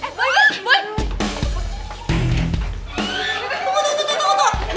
tunggu tunggu tunggu